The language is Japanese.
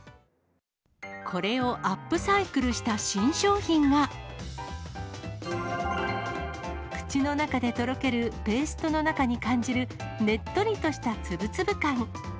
これをアップサイクルした新商品が、口の中でとろけるペーストの中に感じる、ねっとりとした粒々感。